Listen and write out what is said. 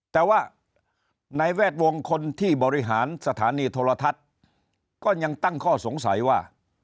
แต่ว่าในแวดวงคนที่บริหารสถานีโทรทัศน์ก็ยังตั้งข้อสงสัยว่า